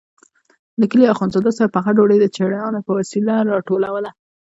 د کلي اخندزاده صاحب پخه ډوډۍ د چړیانو په وسیله راټولوله.